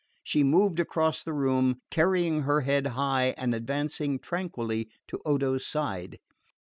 She moved across the room, carrying her head high and advancing tranquilly to Odo's side.